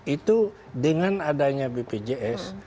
itu dengan adanya bpjs